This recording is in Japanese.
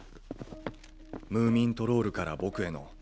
ムーミントロールから僕への。